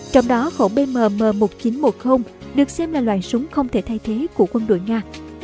trong đó khẩu bm m một nghìn chín trăm một mươi được xem là loại súng không thể thay thế của quân đội nga